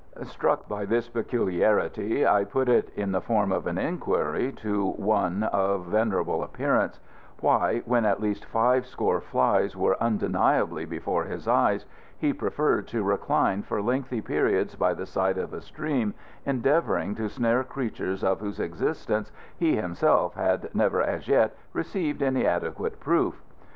Struck by this peculiarity, I put it in the form of an inquiry to one of venerable appearance, why, when at least five score flies were undeniably before his eyes, he preferred to recline for lengthy periods by the side of a stream endeavouring to snare creatures of whose existence he himself had never as yet received any adequate proof.